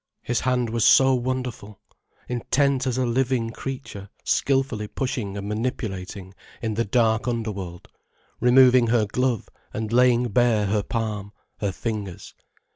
His hand was so wonderful, intent as a living creature skilfully pushing and manipulating in the dark underworld, removing her glove and laying bare her palm, her fingers.